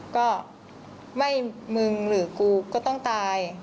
ก็ไม่มึงหรือกูก็ต้องตาย